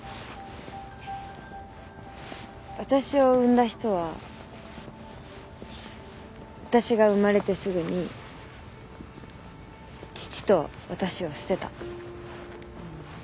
私を産んだ人は私が生まれてすぐに父と私を捨てた。